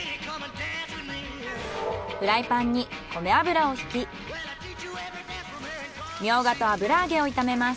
フライパンに米油を引きミョウガと油揚げを炒めます。